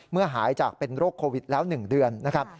หายจากเป็นโรคโควิดแล้ว๑เดือนนะครับ